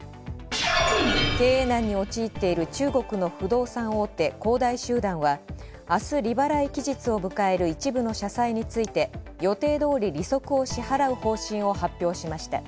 経営難に陥っている中国の不動産大手「恒大集団」は明日、利払い期日を迎える一部の社債について予定通り利息を支払う方針を発表しました。